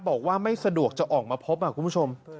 บอกว่าไม่สะดวกจะออกมาพบคุณผู้ชม